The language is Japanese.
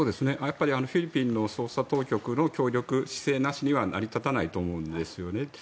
フィリピンの捜査当局の協力姿勢なしには成り立たないと思うんですよね。